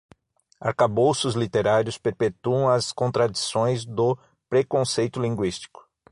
Arcabouços literários perpetuam as contradições do preconceito linguístico